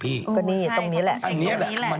อันนี้แหละ